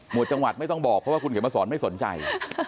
จังหวัดไม่ต้องบอกเพราะว่าคุณเขียนมาสอนไม่สนใจ